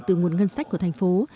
từ nguồn ngân sách của thành phố